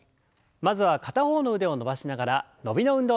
まずは片方の腕を伸ばしながら伸びの運動です。